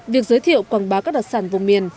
việc giới thiệu quảng bá các đặc sản vùng miền